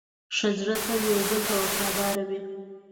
ښه زړونه تل یو بل ته وفادار وي.